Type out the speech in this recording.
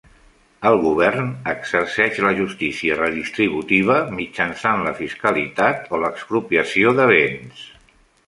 El Govern exerceix la justícia redistributiva mitjançant la fiscalitat o l'expropiació de béns.